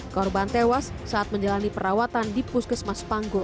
korban tewas saat menjalani perawatan di puskesmas panggung